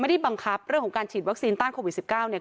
แต่ก็ต้องย้ำว่าไม่ได้บังคับเรื่องของการฉีดวัคซีนต้านโควิด๑๙เนี่ย